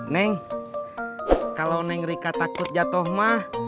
neng kalo neng rika takut jatoh mah